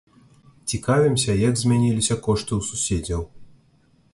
Цікавімся, як змяніліся кошты ў суседзяў.